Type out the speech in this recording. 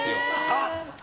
あっ！